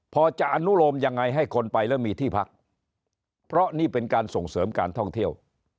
พอจะอนุโลมยังไงให้คนไปแล้วมีที่พักเพราะนี่เป็นการส่งเสริมการท่องเที่ยว